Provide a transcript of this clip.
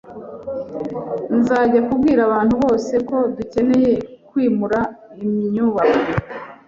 Nzajya kubwira abantu bose ko dukeneye kwimura inyubako.